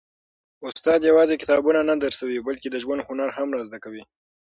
استاد یوازي کتاب نه درسوي، بلکي د ژوند هنر هم را زده کوي.